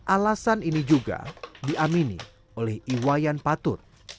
alasan ini juga diamini oleh iwayan patut